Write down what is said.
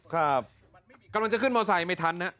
กำลังจะขึ้นมอไซค์ไม่ทันนะ